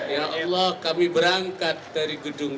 ya allah kami berangkat dari gedung